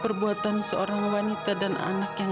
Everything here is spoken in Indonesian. perbuatan wanita dan ketua kepala